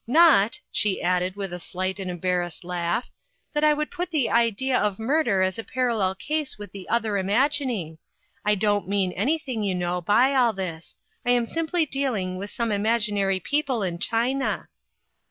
Not," she added, with a slight and embarrassed laugh, " that I would put the idea of murder as a parallel case with the other imagining. I don't mean anything, you know, by all this , I am simply dealing with some imaginary people in China."